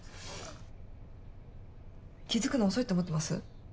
気づくの遅いって思ってます？